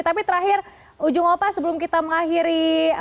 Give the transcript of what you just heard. tapi terakhir ujung opa sebelum kita mengakhiri